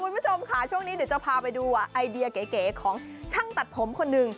คุณผู้ชมค่ะช่วงนี้เดี๋ยวจะพาไปดูไอเดียเก๋ของช่างตัดผมคนหนึ่ง